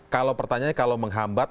kalau pertanyaannya kalau menghambat